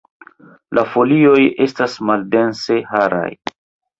La folioj estas maldense haraj.